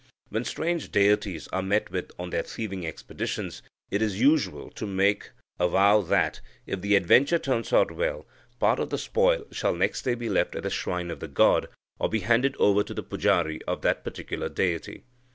When strange deities are met with on their thieving expeditions, it is usual to make a vow that, if the adventure turns out well, part of the spoil shall next day be left at the shrine of the god, or be handed over to the pujari of that particular deity.